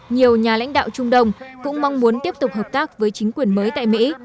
nhiều nhà lãnh đạo trung đông cũng mong muốn tiếp tục hợp tác với chính quyền mới tại mỹ